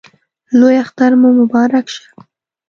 لوی اختر مو مبارک شه